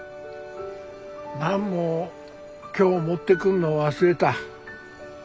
何も今日持ってくるの忘れた。